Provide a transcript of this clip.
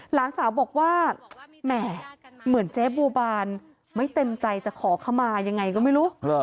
หลานสาวบอกว่าแหมเหมือนเจ๊บัวบานไม่เต็มใจจะขอขมายังไงก็ไม่รู้